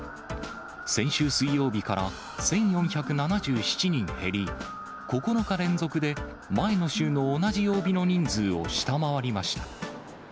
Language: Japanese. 先週水曜日から１４７７人減り、９日連続で前の週の同じ曜日の人数を下回りました。